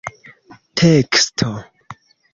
teksto